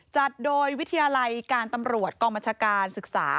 จัดโดยวิทยาลัยการตำรวจกองบัญชาการศึกษา